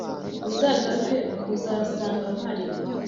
Uzagaruke uzasanga mpari